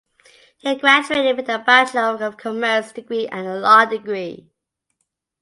He graduated with a Bachelor of Commerce degree and a law degree.